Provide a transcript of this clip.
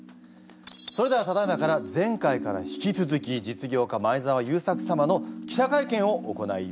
それではただいまから前回から引き続き実業家前澤友作様の記者会見を行います。